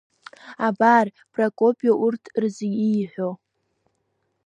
Абар Прокопи урҭ рзы ииҳәо…